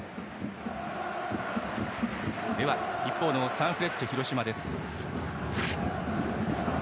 一方のサンフレッチェ広島です。